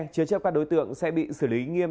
chứa chấp các đối tượng sẽ bị xử lý nghiêm